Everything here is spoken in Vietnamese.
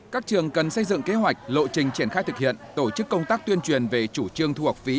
các trường cần xây dựng kế hoạch lộ trình triển khai thực hiện tổ chức công tác tuyên truyền về chủ trương thu học phí